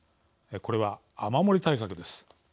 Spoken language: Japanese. これは雨漏り対策です。